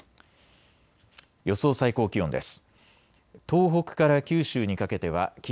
予想最高気温です。